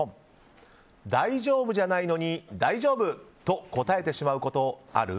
大丈夫じゃないのに大丈夫！と答えてしまうことある？